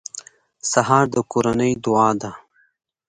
سهار د کورنۍ دعا ده.